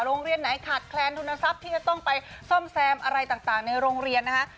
โรงเรียนไหนขาดแคลนทุนทรัพย์ที่จะต้องไปซ่อมแซมอะไรต่างในโรงเรียนนะคะ